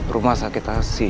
rumah sakit asih